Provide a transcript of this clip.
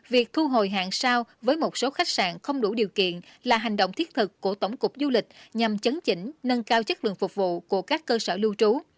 việc thu hồi hạng sao với một số khách sạn không đủ điều kiện là hành động thiết thực của tổng cục du lịch nhằm chấn chỉnh nâng cao chất lượng phục vụ của các cơ sở lưu trú